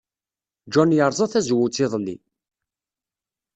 John yerẓa tazewwut iḍelli.